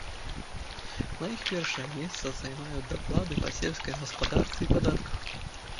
На іх першае месца займаюць даклады па сельскай гаспадарцы і падатках.